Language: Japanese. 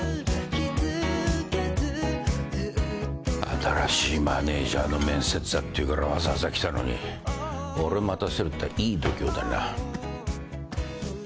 新しいマネジャーの面接だっていうからわざわざ来たのに俺待たせるとはいい度胸だな。